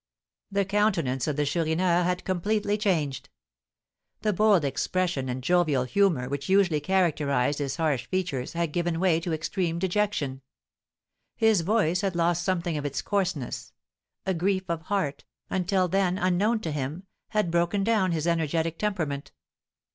The countenance of the Chourineur had completely changed; the bold expression and jovial humour which usually characterised his harsh features had given way to extreme dejection; his voice had lost something of its coarseness; a grief of heart, until then unknown to him, had broken down his energetic temperament.